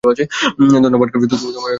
ধন্যবাদ কার্ট, তোমার অসাধারণ বক্তব্যের জন্য।